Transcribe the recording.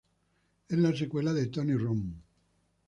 Es la secuela de "Tony Rome".